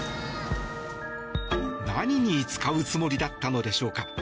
何に使うつもりだったのでしょうか。